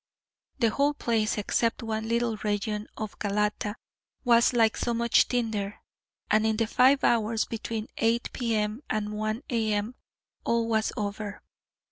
The whole place, except one little region of Galata, was like so much tinder, and in the five hours between 8 P.M. and 1 A.M. all was over.